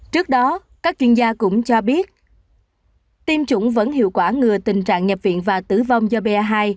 trước đó các chuyên gia cũng cho biết tiêm chủng vẫn hiệu quả ngừa tình trạng nhập viện và tử vong do ba hai